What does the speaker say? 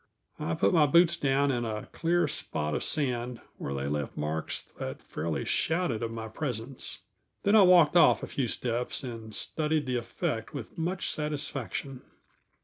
I put my boots down in a clear spot of sand where they left marks that fairly shouted of my presence. Then I walked off a few steps and studied the effect with much satisfaction.